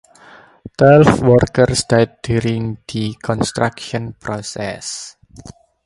Twelve workers died during the construction process.